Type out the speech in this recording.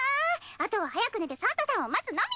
あとは早く寝てサンタさんを待つのみ！